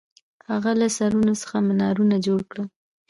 هغه له سرونو څخه منارونه جوړ کړل.